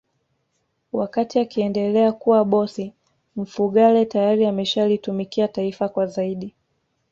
Wakati akiendelea kuwa bosi Mfugale tayari ameshalitumikia taifa kwa zaidi